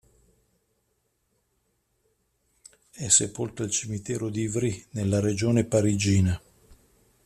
È sepolto al cimitero di Ivry, nella regione parigina.